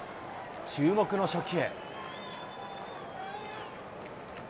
注目の初球。